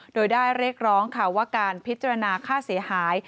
โดยได้เรียกร้องค่ะว่าการพิจารณาค่าเสียหาย